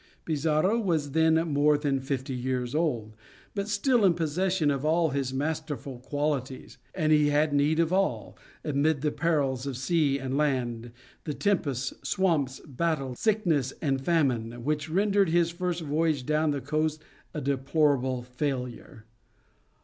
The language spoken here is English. Pizarro was then more than fifty years old, but still in possession of all his masterful qualities. And he had need of all, amid the perils of sea and land, the tempests, swamps, battles, sickness, and famine, which rendered his first voyage down the coast a deplorable failure.